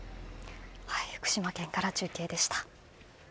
福島県から中継でした。